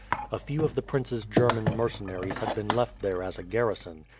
A few of the prince's German mercenaries had been left there as a garrison.